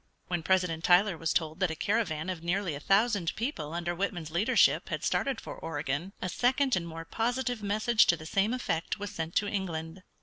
When President Tyler was told that a caravan of nearly a thousand people under Whitman's leadership had started for Oregon, a second and more positive message to the same effect was sent to England.